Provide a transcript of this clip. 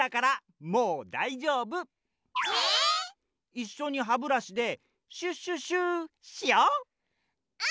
いっしょにハブラシでシュシュシュしよう！